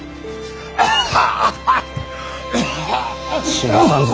死なさんぞ。